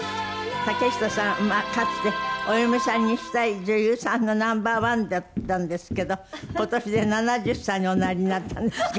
竹下さんはかつてお嫁さんにしたい女優さんのナンバー１だったんですけど今年で７０歳におなりになったんですけど。